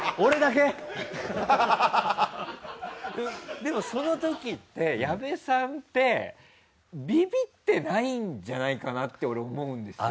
でもそのときって矢部さんってビビッてないんじゃないかなって俺思うんですよ。